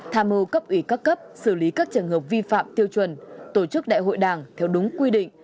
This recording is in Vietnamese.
tham mưu cấp ủy các cấp xử lý các trường hợp vi phạm tiêu chuẩn tổ chức đại hội đảng theo đúng quy định